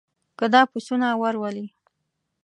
که دا پسونه ور ولې.